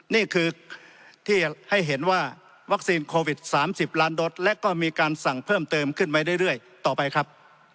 นี่คือที่ให้เห็นว่าวัคซีนโควิด๓๐ล้านโดสและก็มีการสั่งเพิ่มเติมขึ้นไปเรื่อยต่อไปครับ